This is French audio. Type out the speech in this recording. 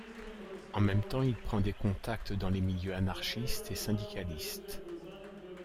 En même temps, il prend des contacts dans les milieux anarchistes et syndicalistes.